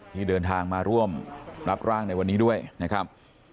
ที่เดินทางมาร่วมรับร่างในวันนี้ด้วยนะครับ